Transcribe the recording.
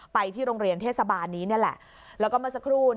ไปที่โรงเรียนเทศบาลนี้นี่แหละแล้วก็เมื่อสักครู่